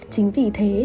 chính vì thế